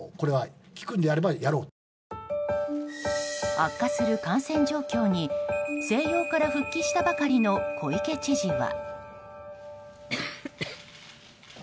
悪化する感染状況に静養から復帰したばかりの小池知事は。